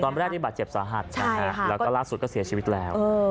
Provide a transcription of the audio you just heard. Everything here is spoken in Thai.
แรกนี่บาดเจ็บสาหัสแล้วก็ล่าสุดก็เสียชีวิตแล้ว